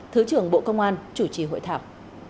thứ trưởng bộ công an chủ trì hội thảo